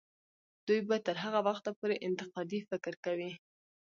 دوی به تر هغه وخته پورې انتقادي فکر کوي.